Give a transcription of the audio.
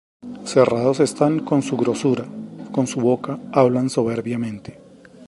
Cerrados están con su grosura; Con su boca hablan soberbiamente.